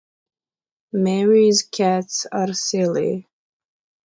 Mary's cats are silly.